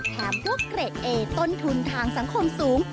แถมพวกเกรกเอต้นทุนทางสังคมสูง